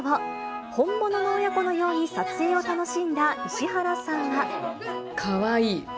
本物の親子のように撮影を楽しんかわいい。